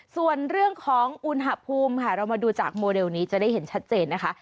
ส่วนเรื่องของอุณหภูมิค่ะเรามาดูจากโมเดลนี้จะได้เห็นชัดเจนนะคะ